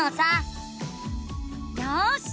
よし！